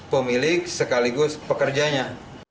pemilik sekaligus pekerjanya